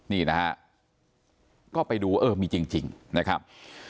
นี่นะฮะก็ไปดูเออมีจริงนะครับ